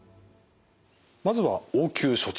まずは応急処置。